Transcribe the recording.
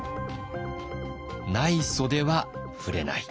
ない袖は振れない。